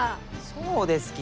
そうですき！